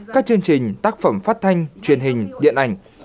các chương trình tác phẩm phát thanh truyền hình điện ảnh